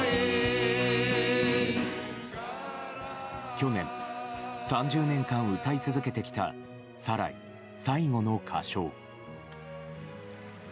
去年、３０年間歌い続けてきた「サライ」最後の歌唱。